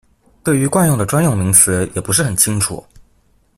對於慣用的專用名詞也不是很清楚